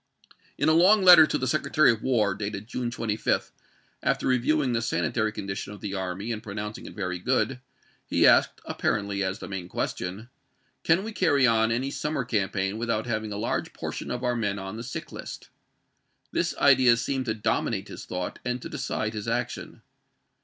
In a long p." eso. " letter to the Secretary of War, dated June 25, after reviewing the sanitary condition of the army and pronouncing it very good, he asked, apparently as Haiiectto the main question, " Can we carry on any summer 1*1^^25,' .,, i 1 • 1 1.' £ 1862. w. R. campaign without having a large portion of our voi. xvi., men on the sick list I " This idea seemed to domi p 62. ' nate his thought and to decide his action.